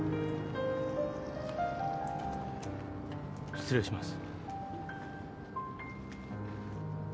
失礼します。